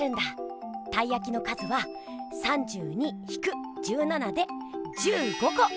たいやきの数は３２ひく１７で１５こ！